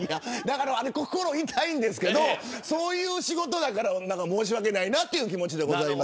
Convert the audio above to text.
心が痛いんですけどそういう仕事だから申し訳ないなという気持ちです。